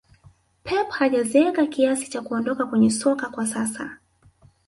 pep hajazeeka kiasi cha kuondoka kwenye soka kwa sasa